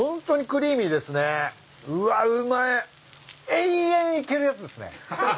延々いけるやつっすね。